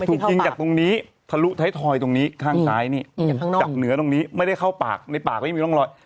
ถูกยิงจากตรงนี้ทะลุท้ายทอยตรงนี้ข้างซ้ายนี่จากเหนือตรงนี้ไม่ได้เข้าปากในปากก็ยังมีร่องรอย